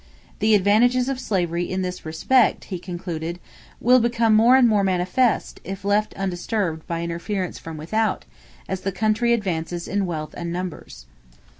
The advantages of slavery in this respect, he concluded, "will become more and more manifest, if left undisturbed by interference from without, as the country advances in wealth and numbers."